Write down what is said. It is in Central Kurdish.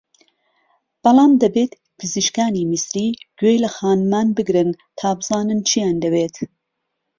بەڵام دەبێت پزیشکانی میسری گوێ لە خانمان بگرن تا بزانن چییان دەوێت